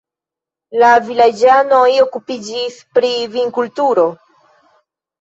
La vilaĝanoj okupiĝis pri vinkulturo.